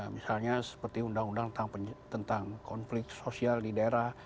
misalnya seperti undang undang tentang konflik sosial di daerah